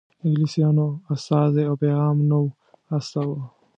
انګلیسیانو استازی او پیغام نه و استاوه.